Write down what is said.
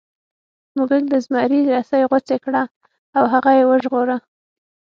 موږک د زمري رسۍ غوڅې کړې او هغه یې وژغوره.